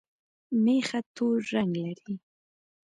مېخه تور رنګ لري